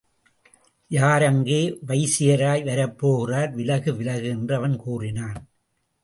யார் அங்கே வைசிராய் வரப்போகிறார் விலகு விலகு என்று அவன் கூறினான்.